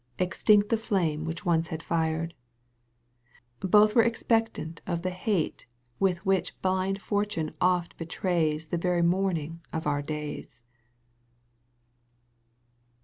Extinct the flame which once had fired ; Both were expectant of the hate With which blind Fortune oft betrays The very morning of our days.